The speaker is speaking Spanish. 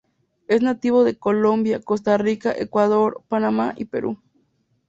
Es nativo de Colombia, Costa Rica, Ecuador, Panamá y Perú.